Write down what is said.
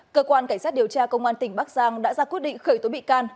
cơ quan cảnh sát điều tra công an tỉnh bắc giang đã ra quyết định khởi tố bị can